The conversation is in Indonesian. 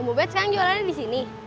om ubed sayang jualannya disini